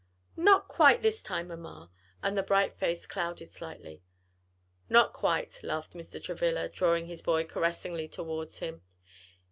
"Not quite this time, mamma," and the bright face clouded slightly. "Not quite," laughed Mr. Travilla, drawing his boy caressingly toward him.